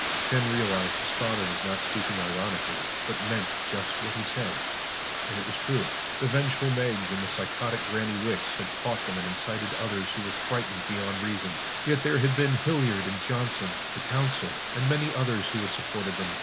Ken realized his father was not speaking ironically but meant just what he said. And it was true. The vengeful Meggs and the psychotic Granny Wicks had fought them and incited others who were frightened beyond reason. Yet there had been Hilliard and Johnson, the Council, and many others who had supported them.